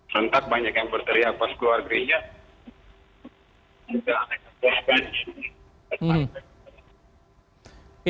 sentak banyak yang berteriak pas keluar gereja